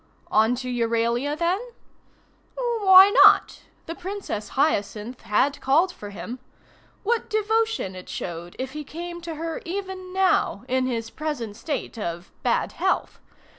On to Euralia then? Why not? The Princess Hyacinth had called for him. What devotion it showed if he came to her even now in his present state of bad health!